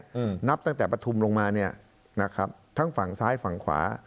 อืมนับตั้งแต่ปฐุมลงมาเนี้ยนะครับทั้งฝั่งซ้ายฝั่งขวา